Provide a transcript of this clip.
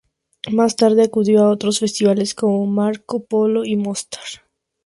Más tarde acudió a otros festivales como Marko Polo y Mostar.